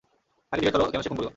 তাকে জিজ্ঞেস করো, কেন সে খুন করল?